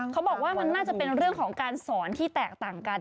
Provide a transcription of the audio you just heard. เขาบอกว่ามันน่าจะเป็นเรื่องของการสอนที่แตกต่างกัน